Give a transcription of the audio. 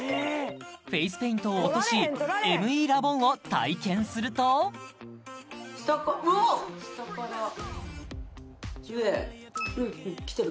フェイスペイントを落としＭＥラボンを体験すると下から上きてる